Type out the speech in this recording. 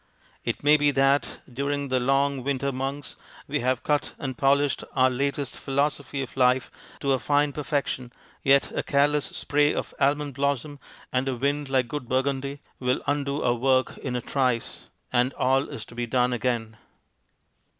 It may be that during the long winter months we have cut and polished our latest philosophy of life to a fine perfection, yet a careless spray of almond blossom and a wind like good Bur gundy will undo our work in a trice, and all is to be done again.